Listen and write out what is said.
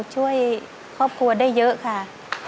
ช่วยครอบครัวได้เยอะค่ะ